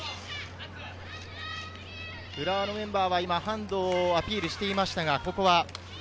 浦和のメンバーはハンドをアピールしていましたが。